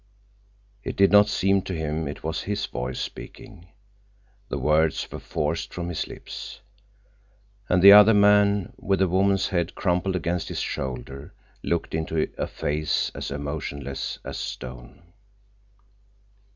It did not seem to him it was his voice speaking. The words were forced from his lips. And the other man, with the woman's head crumpled against his shoulder, looked into a face as emotionless as stone.